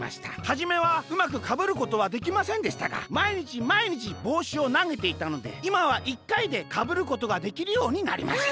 はじめはうまくかぶることはできませんでしたがまいにちまいにちぼうしをなげていたのでいまは１かいでかぶることができるようになりました」。